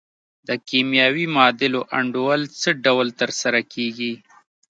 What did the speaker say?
د کیمیاوي معادلو انډول څه ډول تر سره کیږي؟